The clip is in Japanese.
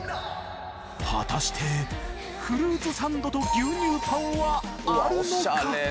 果たしてフルーツサンドと牛乳パンはあるのか？